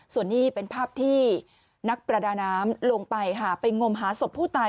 ส่วนนี้เป็นภาพที่นักประดาน้ำลงไปค่ะไปงมหาศพผู้ตาย